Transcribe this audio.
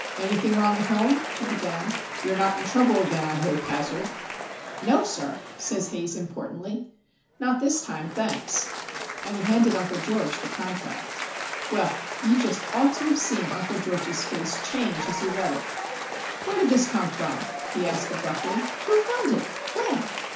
"Anything wrong at home?" he began. "You are not in trouble again, I hope, Hazard?" "No, sir," says Haze, importantly. "Not this time, thanks." And he handed Uncle George the contract. Well, you just ought to have seen Uncle George's face change as he read it. "Where did this come from?" he asked, abruptly. "Who found it? when?"